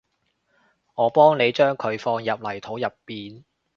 我幫你將佢放入泥土入邊